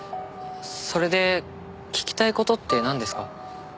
それで聞きたい事ってなんですか？